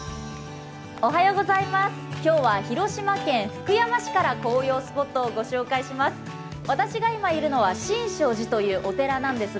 今日は広島県福山市から紅葉スポットをご紹介します。